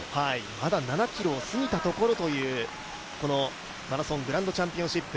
まだ７ｋｍを過ぎたところというこのマラソングランドチャンピオンシップ。